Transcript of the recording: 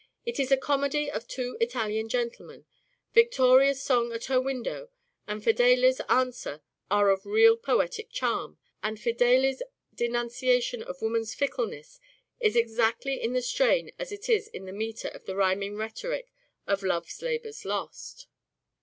(It is) a comedy of Two Italian Gentleman ... Victoria's song at her window and Fedele's answer are of real poetic charm, and Fedele's denunciation of woman's fickle ness is exactly in the strain as it is in the metre of the rhyming rhetoric of " Love's Labour's Lost."